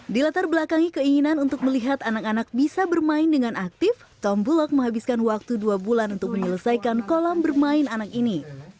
di latar belakangi keinginan untuk melihat anak anak bisa bermain dengan aktif tom bulog menghabiskan waktu dua bulan untuk menyelesaikan kolam bermain anak ini